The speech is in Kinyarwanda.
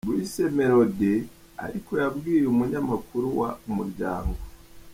Bruce Melodie ariko yabwiye umunyamakuru wa Umuryango.